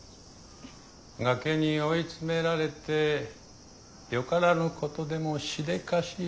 崖に追い詰められてよからぬことでもしでかしそうな。